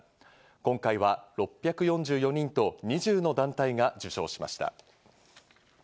今回は６４４人と２０の団体が受章しました。